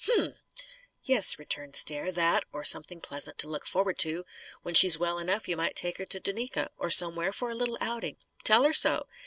H'm!" "Yes," returned Stair, "that, or something pleasant to look forward to. When she's well enough, you might take her to Duneka, or somewhere, for a little outing. Tell her so.